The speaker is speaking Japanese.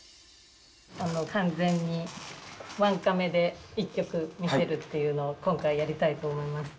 完全にワンカメで一曲見せるっていうのを今回やりたいと思います。